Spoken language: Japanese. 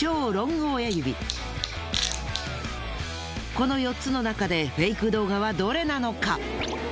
この４つのなかでフェイク動画はどれなのか。